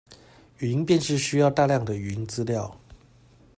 語音辨識需要大量的語音資料